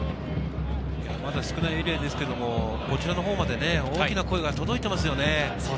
まだ少ないエリアですけれども、こちらのほうまで大きな声が届いていますよね。